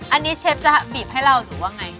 อันนี้เชฟจะบีบให้เราหรือว่าไง